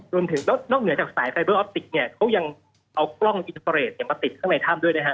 รวมถึงแล้วนอกเหนือจากสายไฟเบอร์ออฟติกเนี่ยเขายังเอากล้องอินเฟอร์เรทมาติดข้างในถ้ำด้วยนะฮะ